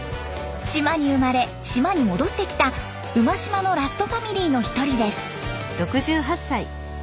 島に生まれ島に戻ってきた馬島のラストファミリーのひとりです。